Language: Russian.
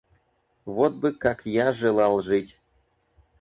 Вот бы как я желал жить!